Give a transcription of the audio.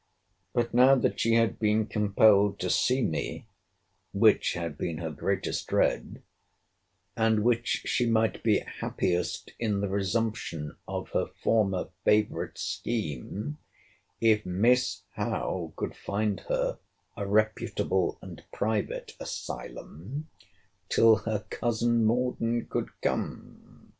But now that she had been compelled to see me, (which had been her greatest dread), and which she might be happiest in the resumption of her former favourite scheme, if Miss Howe could find her a reputable and private asylum, till her cousin Morden could come.